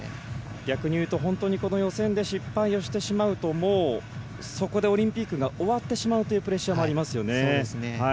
逆に言うとこの予選で失敗をしてしまうともう、そこでオリンピックが終わってしまうというプレッシャーがありますよね。